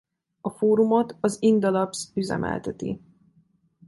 A fórumot az Inda-Labs üzemelteti.